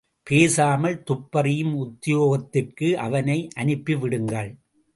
பேசாமல் துப்பறியும் உத்தியோகத்திற்கு அவனை அனுப்பிவிடுங்கள்.